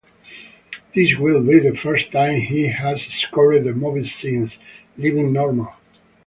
This will be the first time he has scored a movie since "Leaving Normal".